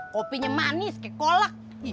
kopinya manis kayak kolak